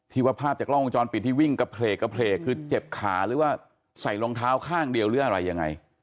ว่าภาพจากกล้องวงจรปิดที่วิ่งกระเพลกกระเพลกคือเจ็บขาหรือว่าใส่รองเท้าข้างเดียวหรืออะไรยังไง